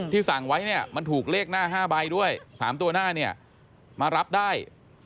สั่งไว้เนี่ยมันถูกเลขหน้า๕ใบด้วย๓ตัวหน้าเนี่ยมารับได้